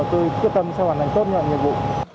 nhưng mà tôi quyết tâm sẽ hoàn thành tốt nhận nhiệm vụ